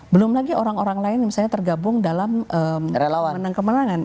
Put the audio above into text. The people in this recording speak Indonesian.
belum lagi orang orang lain misalnya tergabung dalam relawan dan kemenangan